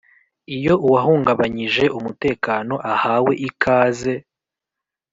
Iyo uwahungabanyije umutekano ahawe ikaze